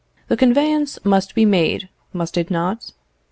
The conveyance must be made, must it not?